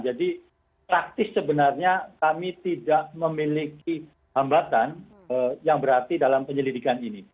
jadi praktis sebenarnya kami tidak memiliki hambatan yang berarti dalam penyelidikan ini